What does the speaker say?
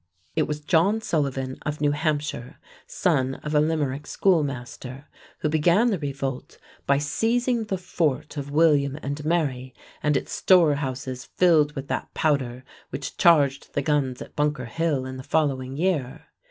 It was John Sullivan, of New Hampshire, son of a Limerick schoolmaster, who began the revolt by seizing the fort of William and Mary and its storehouses filled with that powder which charged the guns at Bunker Hill in the following year.